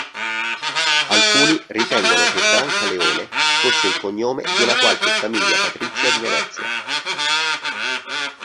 Alcuni ritengono che "Brancaleone" fosse il cognome di una qualche famiglia patrizia di Venezia.